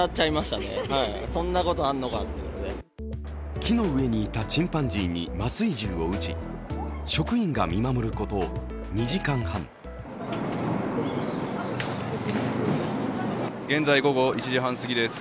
木の上にいたチンパンジーに麻酔銃を撃ち、職員が見守ること、２時間半現在午後１時半すぎです。